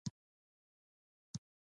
بله موده وټاکله